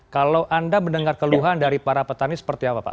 kalau anda mendengar keluhan dari para petani seperti apa pak